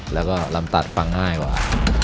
แล้วก็ลำตัดฟังง่ายกว่า